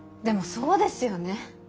でもそうですよね。